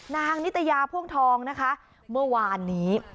นิตยาพ่วงทองนะคะเมื่อวานนี้